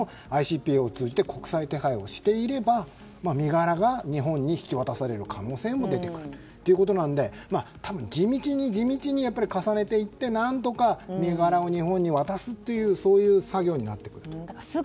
ＩＣＰＯを通じて国際手配をしていれば身柄が日本に引き渡される可能性も出てくるということで多分、地道に重ねていって何とか身柄を日本に渡すという作業になってくると思います。